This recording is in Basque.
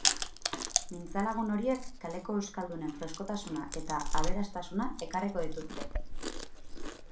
Mintzalagun horiek kaleko euskaldunen freskotasuna eta aberastasuna ekarriko dituzte.